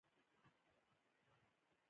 آیا علمي مجلې شته؟